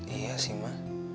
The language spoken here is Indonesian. iya sih ma